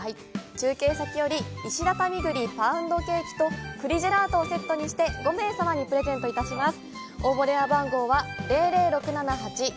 中継先より石畳栗パウンドケーキと栗ジェラートをセットにして５名様にプレゼントいたします。